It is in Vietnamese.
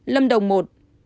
lâm đồng một ca nhiễm